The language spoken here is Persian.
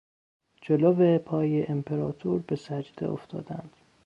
جلو پای امپراتور به سجده افتادند.